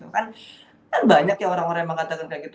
kan banyak ya orang orang yang mengatakan kayak gitu